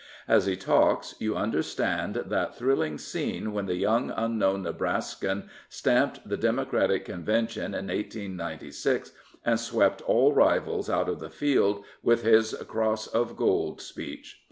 As he talks, you understand that thrilling scene when the young unknown Nebraskan stamped the Democratic Con vention in 1896 and swept all rivals out of the field with his " cross of gold " speech.